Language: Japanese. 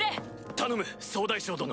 頼む総大将殿！